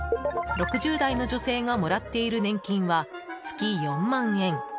６０代の女性がもらっている年金は月４万円。